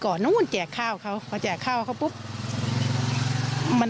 ก็บอกว่าถ้าพอเมื่อไหร่ก็ค่อยมา